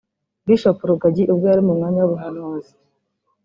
Bishop Rugagi ubwo yari mu mwanya w’ubuhanuzi